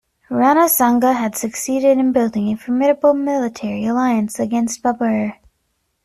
Rana Sanga had succeeded in building a formidable military alliance against Babur.